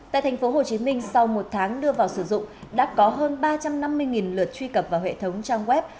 tại tp hcm sau một tháng đưa vào sử dụng đã có hơn ba trăm năm mươi lượt truy cập vào hệ thống trang web